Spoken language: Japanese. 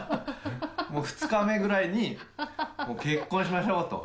もう２日目ぐらいに結婚しましょうと。